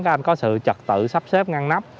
các anh có sự trật tự sắp xếp ngăn nắp